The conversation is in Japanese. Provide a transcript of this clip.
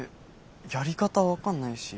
やり方分かんないし。